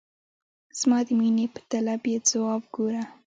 زما د میني په طلب یې ځواب ګوره !